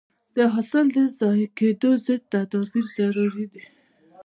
د حاصل د ضایع کېدو ضد تدابیر ضروري دي.